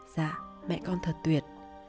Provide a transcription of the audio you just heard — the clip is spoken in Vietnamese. dạ mẹ con thật tuyệt